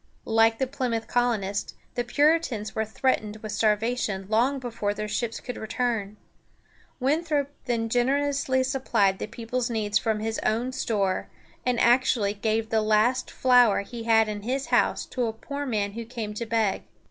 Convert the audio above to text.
Like the Plymouth colonists, the Puritans were threatened with starvation long before their ships could return. Winthrop then generously supplied the people's needs from his own store, and actually gave the last flour he had in his house to a poor man who came to beg.